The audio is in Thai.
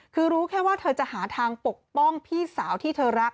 คือรู้แค่ว่าเธอจะหาทางปกป้องพี่สาวที่เธอรัก